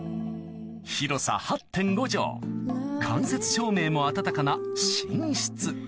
広さ８．５帖間接照明も温かな寝室